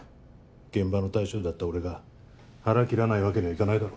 現場の大将だった俺が腹切らないわけにはいかないだろ